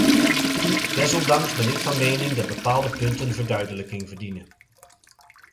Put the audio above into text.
Desondanks ben ik van mening dat bepaalde punten verduidelijking verdienen.